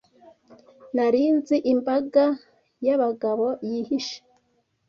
Nari nzi imbaga yabagabo yihishe